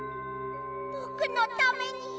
ぼくのために。